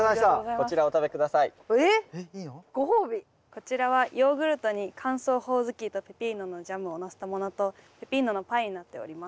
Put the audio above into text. こちらはヨーグルトに乾燥ホオズキとペピーノのジャムをのせたものとペピーノのパイになっております。